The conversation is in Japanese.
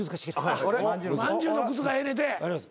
まんじゅうの靴がええねんて。